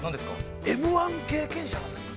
Ｍ−１経験者なんですって。